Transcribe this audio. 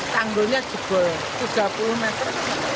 tanggulnya jebol tiga puluh meter